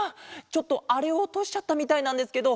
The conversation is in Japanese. ちょっとあれをおとしちゃったみたいなんですけど。